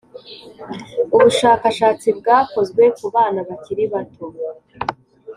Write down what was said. Ubushakashatsi bwakozwe ku bana bakiri bato